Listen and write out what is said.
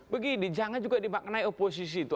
begini jangan juga dimaknai oposisi itu